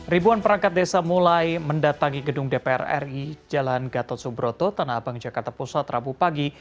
ribuan perangkat desa mulai mendatangi gedung dpr ri jalan gatot subroto tanah abang jakarta pusat rabu pagi